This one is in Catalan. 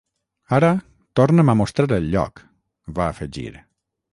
"Ara, torna'm a mostrar el lloc!", va afegir.